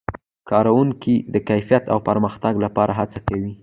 کارکوونکي د کیفیت او پرمختګ لپاره هڅه کوي.